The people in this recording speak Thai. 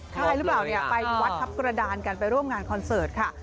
ใช่หรือเปล่าเนี่ยไปวัดทัพกระดานกันไปร่วมงานคอนเสิร์ตค่ะ